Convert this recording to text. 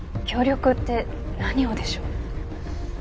協力って何をでしょう？